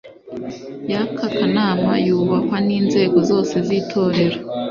y aka kanama yubahwa n inzego zose z itorero